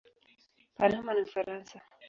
Panama na Ufaransa.